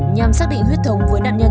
nhằm xác định huyết thống với nạn nhân